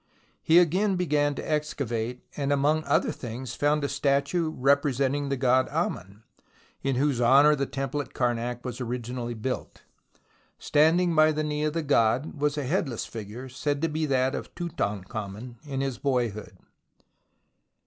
He again began to excavate, and among other things found a statue representing the god Ammon, in whose honour the temple at Karnak was originally built. Standing by the knee of the god was a headless figure, said to be that of Tutankhamen in his boyhood.